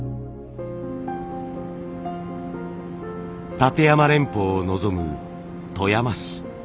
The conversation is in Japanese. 立山連峰を望む富山市。